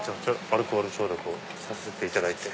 アルコール消毒をさせていただいて。